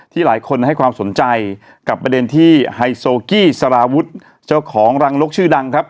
หลายคนให้ความสนใจกับประเด็นที่ไฮโซกี้สารวุฒิเจ้าของรังนกชื่อดังครับ